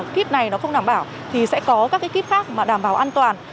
kiếp này nó không đảm bảo thì sẽ có các cái kiếp khác mà đảm bảo an toàn